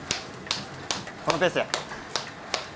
このペースや。